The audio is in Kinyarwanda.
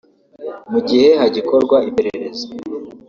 mu gihe hagikorwa iperereza